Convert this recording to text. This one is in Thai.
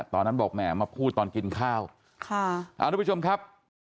ตอนนั้นบอกแหมมาพูดตอนกินข้าวค่ะอ่าทุกผู้ชมครับ